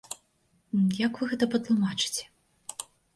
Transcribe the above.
Як вы гэта патлумачыце?